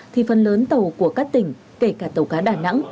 thì phần lớn tàu của các tỉnh kể cả tàu cá đà nẵng